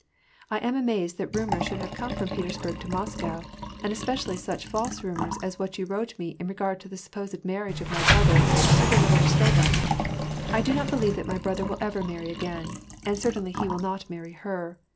I am amazed that rumors should have come from Petersburg to Moscow, and especially such false rumors as what you wrote me in regard to the sup posed marriage of my brother to the little Hostova. I do not believe that my brother will ever marry again; and certainly he will not marry her.